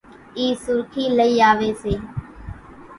اِي سُرکِي لئِي آويَ سي۔